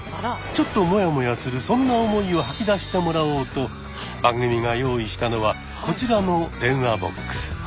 ちょっともやもやするそんな思いを吐き出してもらおうと番組が用意したのはこちらの電話ボックス。